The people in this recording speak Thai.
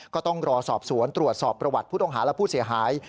ก็ต้องรอสอบสวนตรวจสอบประวัติผู้ต้องหาและผู้เสียหาย